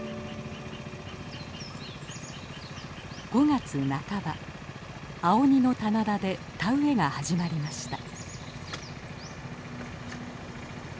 ５月半ば青鬼の棚田で田植えが始まりました。